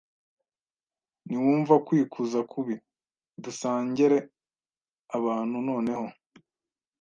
ntiwumva kwikuza kubi dusangere abantu noneho